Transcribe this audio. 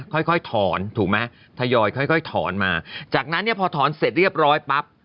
ค่อยค่อยถอนถูกไหมทยอยค่อยถอนมาจากนั้นเนี่ยพอถอนเสร็จเรียบร้อยปั๊บ